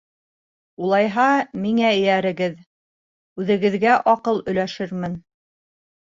Улайһа, миңә эйәрегеҙ — үҙегеҙгә аҡыл өләшермен!